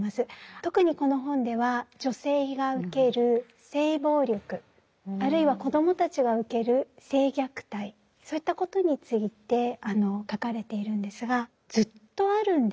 特にこの本では女性が受ける性暴力あるいは子供たちが受ける性虐待そういったことについて書かれているんですがずっとあるんですね。